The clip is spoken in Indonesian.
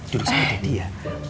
duduk seperti jadi ya